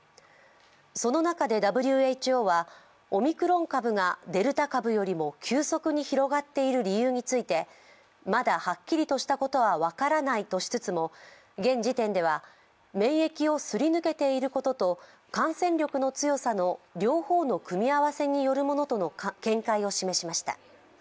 その中で、ＷＨＯはオミクロン株がデルタ株よりも急速に広がっている理由についてまだはっきりとしたことは分からないとしつつも現時点では、免疫をすり抜けていることと感染力の強さの両方の組み合わせによるものとの見解を示しました。